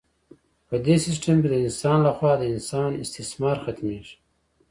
په دې سیستم کې د انسان لخوا د انسان استثمار ختمیږي.